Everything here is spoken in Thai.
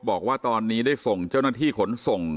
บอกว่าตอนนี้ได้ส่งเจ้าหน้าที่ขนส่ง